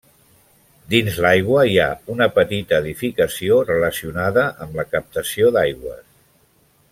Dins l'aigua hi ha una petita edificació relacionada amb la captació d'aigües.